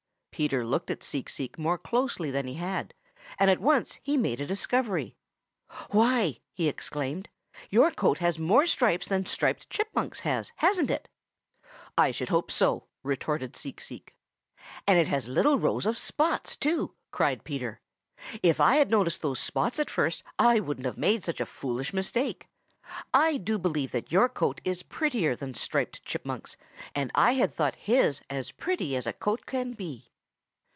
Peter looked at Seek Seek more closely than he had, and at once he made a discovery. "Why!" he exclaimed, "your coat has more stripes than Striped Chipmunk's has, hasn't it?" "I should hope so," retorted Seek Seek. "And it has little rows of spots, too!" cried Peter. "If I had noticed those spots at first, I wouldn't have made such a foolish mistake. I do believe that your coat is prettier than Striped Chipmunk's, and I had thought his as pretty as a coat can be."